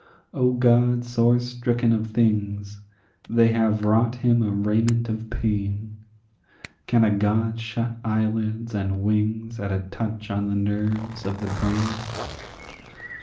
O God sore stricken of things! they have wrought him a raiment of pain; Can a God shut eyelids and wings at a touch on the nerves of the brain?